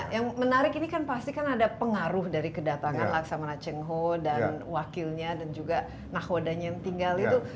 yang menarik ini kan pasti kan ada pengaruh dari kedatangan laksamana cheng ho dan wakilnya dan juga nahodanya yang tinggal itu